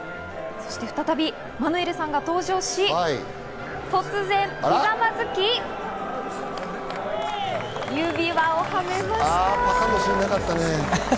そして再びマヌエルさんが登場し、突然、ひざまずき、指輪をはめました。